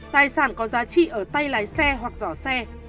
tài sản có giá trị ở tay lái xe hoặc giỏ xe